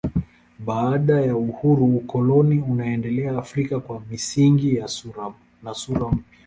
Baada ya uhuru ukoloni unaendelea Afrika kwa misingi na sura mpya.